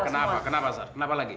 kenapa kenapa saad kenapa lagi